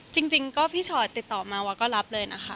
จริงก็พี่ชอตติดต่อมาว่าก็รับเลยนะคะ